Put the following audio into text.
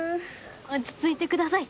落ち着いてください。